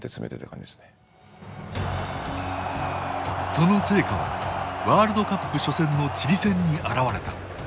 その成果はワールドカップ初戦のチリ戦に表れた。